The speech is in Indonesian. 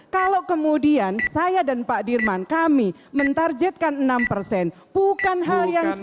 kalau kemudian saya dan pak dirman kami mentarjetkan enam persen bukan hal yang sulit